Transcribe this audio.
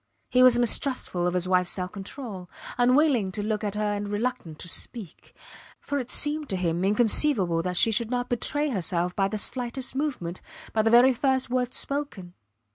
He was mistrustful of his wifes self control, unwilling to look at her and reluctant to speak, for it seemed to him inconceivable that she should not betray herself by the slightest movement, by the very first word spoken.